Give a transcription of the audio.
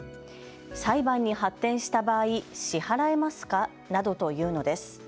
裁判に発展した場合、支払えますかなどと言うのです。